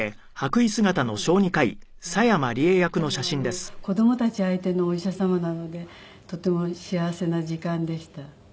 でも子供たち相手のお医者様なのでとても幸せな時間でした。